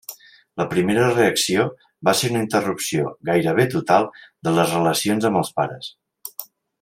La primera reacció va ser una interrupció gairebé total de les relacions amb els pares.